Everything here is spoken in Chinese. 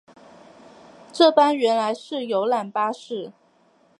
这班原来是游览巴士